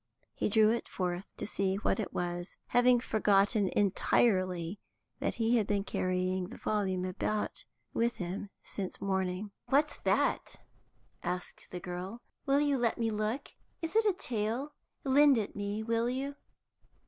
He drew it forth to see what it was, having forgotten entirely that he had been carrying the volume about with him since morning. "What's that?" asked the girl. "Will you let me look? Is it a tale? Lend it me; will you?"